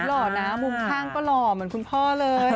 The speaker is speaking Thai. หล่อนะมุมข้างก็หล่อเหมือนคุณพ่อเลย